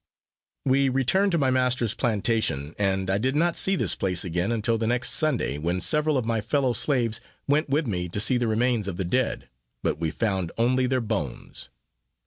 We returned to my master's plantation, and I did not see this place again until the next Sunday, when several of my fellow slaves went with me to see the remains of the dead, but we found only their bones.